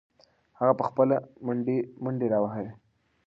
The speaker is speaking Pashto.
هغه به خپله منډې راوهي.